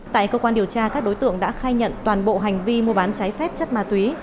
tại cơ quan điều tra các đối tượng đã khai nhận toàn bộ hành vi mua bán trái phép chất ma túy